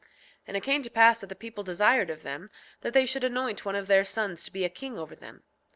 6:22 And it came to pass that the people desired of them that they should anoint one of their sons to be a king over them.